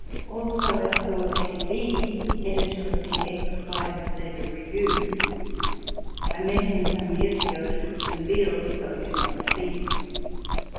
Also I saw A. B., Editor of the X.Y.Z. Review. I met him some years ago at Phipson Beale's, but we do not speak.